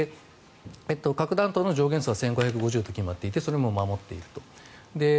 核弾頭の上限数は１５５０と決まっていてそれも守っていると。